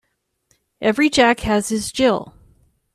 Every Jack has his Jill